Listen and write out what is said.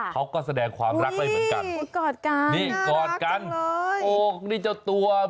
เขาก็แสดงความรักได้เหมือนกันกอดกันนี่กอดกันโอ้นี่เจ้าตัว